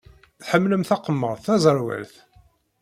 Tḥemmlem takemmart taẓerwalt?